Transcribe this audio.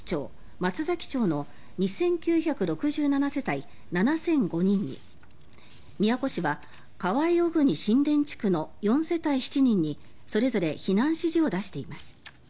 松崎町の２９６７世帯７００５人に宮古市は川井小国新田地区の４世帯７人にそれぞれ避難指示を出しています。